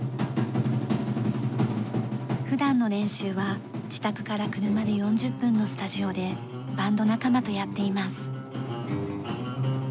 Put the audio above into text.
普段の練習は自宅から車で４０分のスタジオでバンド仲間とやっています。